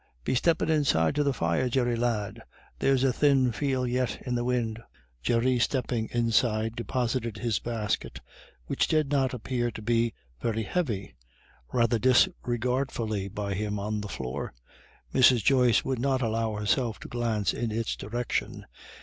Be steppin' inside to the fire, Jerry lad; there's a thin feel yet in the win'." Jerry, stepping inside, deposited his basket, which did not appear to be very heavy, rather disregardfully by him on the floor. Mrs. Joyce would not allow herself to glance in its direction.